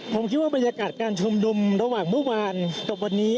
ผมคิดว่าบรรยากาศการชุมนุมระหว่างเมื่อวานกับวันนี้